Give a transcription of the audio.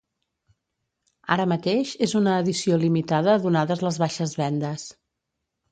Ara mateix és una edició limitada donades les baixes vendes.